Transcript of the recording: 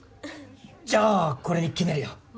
じゃあこれに決めるよ。